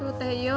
tuh teh iyo